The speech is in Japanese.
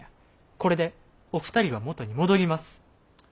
これでお二人は元に戻ります！